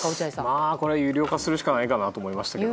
まあ、これは有料化するしかないかなと思いましたけど。